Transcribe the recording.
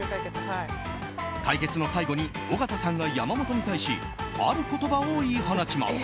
対決の最後に、尾形さんが山本に対しある言葉を言い放ちます。